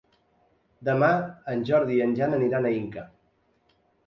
Demà en Jordi i en Jan aniran a Inca.